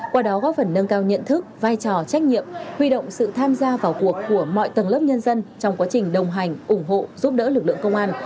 qua đó góp phần nâng cao nhận thức vai trò trách nhiệm huy động sự tham gia vào cuộc của mọi tầng lớp nhân dân trong quá trình đồng hành ủng hộ giúp đỡ lực lượng công an